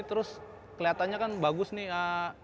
terus keliatannya kan bagus nih